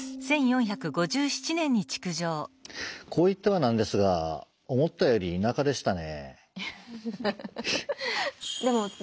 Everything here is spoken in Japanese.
こう言っては何ですが思ったより田舎でしたね。